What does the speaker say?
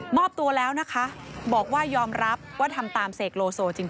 ตัวแล้วนะคะบอกว่ายอมรับว่าทำตามเสกโลโซจริง